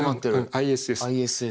ＩＳＳ。